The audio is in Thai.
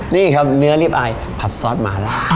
นี่ครับนื้อลิปอายผัดซอสหมาละ